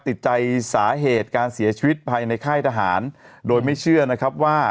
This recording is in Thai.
ติดใจสาเหตุการเสียชีวิตภายในค่ายทหารโดยไม่เชื่อนะครับว่า